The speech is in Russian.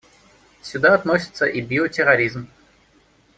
Сюда относится и биотерроризм.